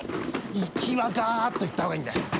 行きはガッといった方がいいんだよ。